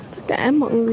tất cả mọi người